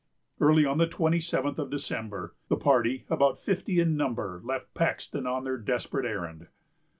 Early on the twenty seventh of December, the party, about fifty in number, left Paxton on their desperate errand.